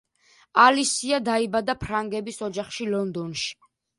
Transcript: ალისია დაიბადა ფრანგების ოჯახში, ლონდონში.